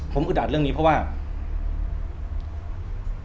ผมอึดอัดเรื่องนี้เพราะว่า